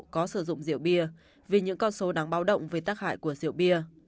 có sử dụng rượu bia vì những con số đáng báo động về tác hại của rượu bia